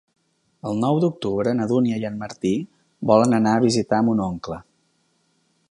El nou d'octubre na Dúnia i en Martí volen anar a visitar mon oncle.